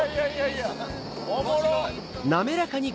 おもろっ！